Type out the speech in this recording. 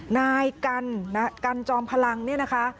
นายกันจอมพลังเนี่ยนะคะ